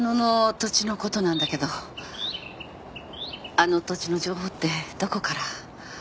あの土地の情報ってどこから？